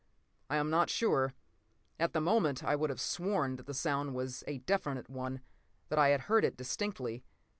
I am not sure. At the moment, I would have sworn that the sound was a definite one, that I had heard it distinctly.